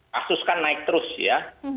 kasus kan naik terus ya